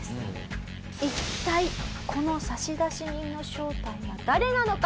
一体この差出人の正体は誰なのか？